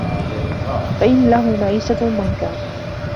فَإِنَّ لَهُ مَعِيشَةً ضَنْكًا